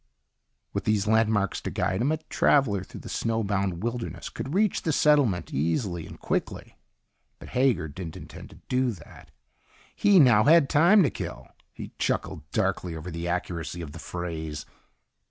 With these landmarks to guide him, a traveler through the snow bound wilderness could reach the settlement easily and quickly. But Hager didn't intend to do that. He now had time to kill. He chuckled darkly over the accuracy of the phrase.